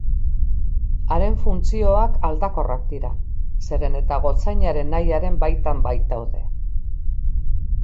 Haren funtzioak aldakorrak dira, zeren eta gotzainaren nahiaren baitan baitaude.